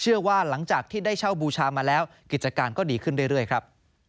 หลังจากที่ได้เช่าบูชามาแล้วกิจการก็ดีขึ้นเรื่อยครับ